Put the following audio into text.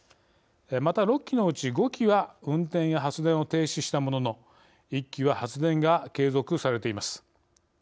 また６基のうち５基は運転や発電を停止したものの１基は発電が継続されています。